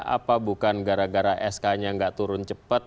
apa bukan gara gara sk nya nggak turun cepat